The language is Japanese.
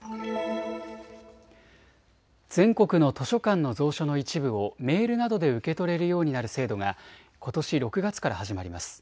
全国の図書館の蔵書の一部をメールなどで受け取れるようになる制度がことし６月から始まります。